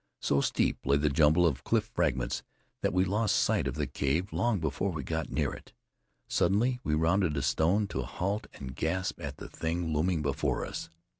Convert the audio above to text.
So steep lay the jumble of cliff fragments that we lost sight of the cave long before we got near it. Suddenly we rounded a stone, to halt and gasp at the thing looming before us.